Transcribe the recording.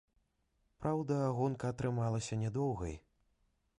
Праўда, гонка атрымалася нядоўгай.